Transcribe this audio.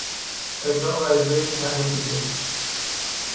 ابداع و اجرای این طرح بزرگ